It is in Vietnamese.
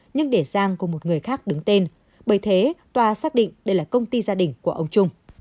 nhưng để giang cùng một người khác đứng tên bởi thế tòa xác định đây là công ty gia đình của ông trung